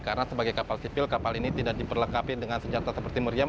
karena sebagai kapal sipil kapal ini tidak diperlekapi dengan senjata seperti meriam